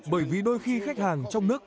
bởi vì đôi khi khách hàng trong nước